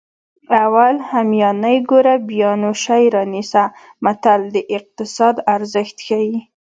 اول همیانۍ ګوره بیا نو شی رانیسه متل د اقتصاد ارزښت ښيي